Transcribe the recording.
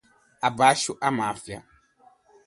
Abaixo à máfia.